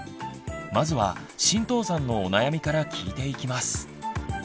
まずは神藤さんのお悩みから聞いていきます。